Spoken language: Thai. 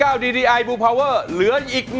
คุณยายแดงคะทำไมต้องซื้อลำโพงและเครื่องเสียง